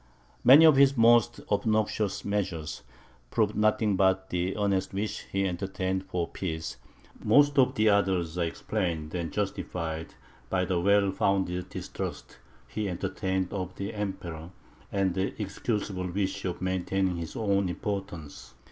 Many of his most obnoxious measures proved nothing but the earnest wish he entertained for peace; most of the others are explained and justified by the well founded distrust he entertained of the Emperor, and the excusable wish of maintaining his own importance.